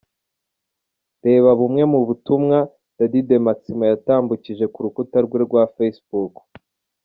Reba bumwe m’ubutumwa Dady de Maximo yatambukije k’urukuta rwe rwa facebook.